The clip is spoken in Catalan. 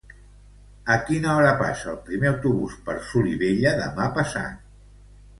A quina hora passa el primer autobús per Solivella demà passat?